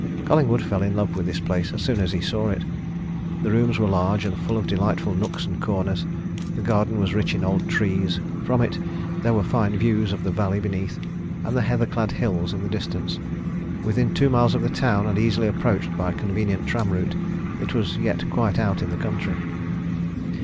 Collingwood fell in love with this place as soon as he saw it. The rooms were large and full of delightful nooks and corners; the garden was rich in old trees; from it there were fine views of the valley beneath, and the heather clad hills in the distance; within two miles of the town and easily approached by a convenient tram route, it was yet quite out in the country.